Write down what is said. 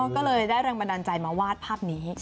ก็เลยได้แรงบันดาลใจมาวาดภาพนี้